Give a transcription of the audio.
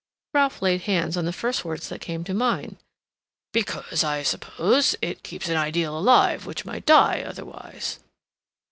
Ralph laid hands on the first words that came to mind. "Because, I suppose, it keeps an ideal alive which might die otherwise."